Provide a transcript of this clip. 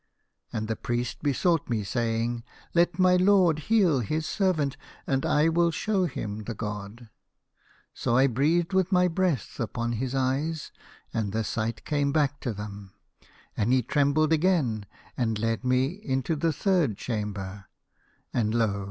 " And the priest besought me, saying, ' Let my lord heal his servant, and I will show him the god.' " So I breathed with my breath upon his eyes, and the sight came back to them, and he trembled again, and led me into the third chamber, and lo